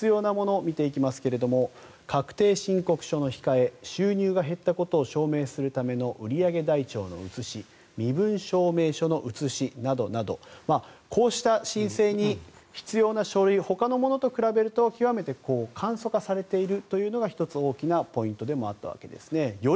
申請に必要なものを見てきますけど確定申告書の控え収入が減ったことを証明するための売り上げ台帳の写し身分証明書の写しなどなどこうした申請に必要な書類ほかのものと比べると極めて簡素化されているというのが１つ、大きなポイントでもあったんですね。